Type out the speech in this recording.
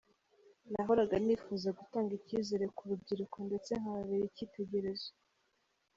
Nahoraga nifuza kutanga icyizere ku rubyiruko ndetse nkababera icyitegererez.